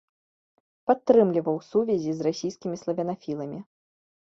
Падтрымліваў сувязі з расійскімі славянафіламі.